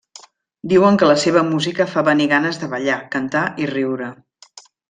Diuen que la seva música fa venir ganes de ballar, cantar i riure.